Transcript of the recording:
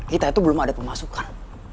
kita itu belum ada pemasukan